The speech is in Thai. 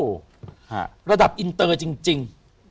ระดับอินเตอร์จริง